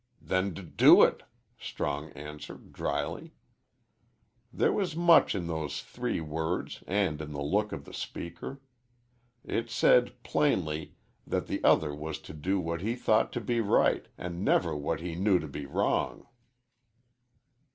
"Then d do it," Strong answered, dryly. There was much in those three words and in the look of the speaker. It said, plainly, that the other was to do what he thought to be right and never what he knew to be wrong.